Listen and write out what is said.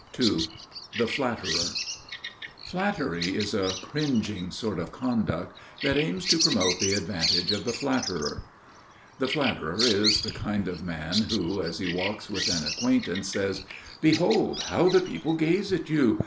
II The Flatterer (Κολακεία) Flattery is a cringing sort of conduct that aims to promote the advantage of the flatterer. The flatterer is the kind of man who, as he walks with an acquaintance, says: "Behold! how the people gaze at you!